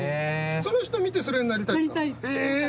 その人見てそれになりたいと思ったの？